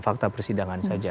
fakta persidangan saja